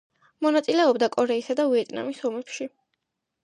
მონაწილეობდა კორეისა და ვიეტნამის ომებში.